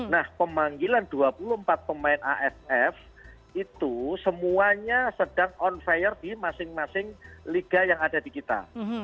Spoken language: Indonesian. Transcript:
nah pemanggilan dua puluh empat pemain aff itu semuanya sedang on fire di masing masing liga yang ada di kita